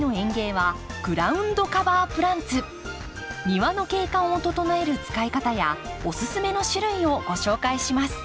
庭の景観を整える使い方やおすすめの種類をご紹介します。